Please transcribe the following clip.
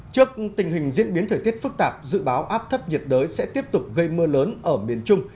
trước tình hình diễn biến thời tiết phức tạp dự báo áp thấp nhiệt đới sẽ tiếp tục gây mưa lớn ở miền trung